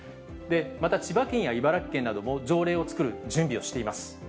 また千葉県や茨城県なども条例を作る準備をしています。